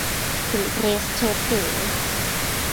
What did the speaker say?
หรือเดรสเชิ้ตเก๋